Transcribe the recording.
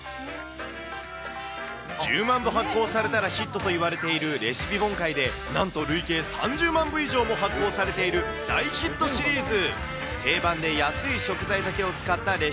レ１０万部発行されたらヒットといわれているレシピ本界で、なんと累計３０万部以上も発行されている大ヒットシリーズ。